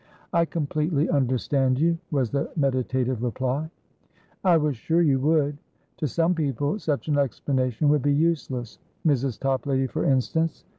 "I completely understand you," was the meditative reply. "I was sure you would! To some people, such an explanation would be useless; Mrs. Toplady, for instance.